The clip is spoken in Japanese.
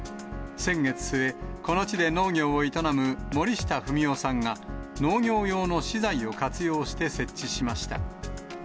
先月末、この地で農業を営む森下文夫さんが農業用の資材を活用して設置しました。